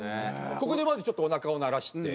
ここでまずちょっとおなかを慣らして。